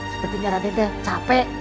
sepertinya raden dah capek